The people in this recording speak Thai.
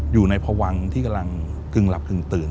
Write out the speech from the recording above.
อยู่ในพวังที่กำลังตึงหลับตึงตื่น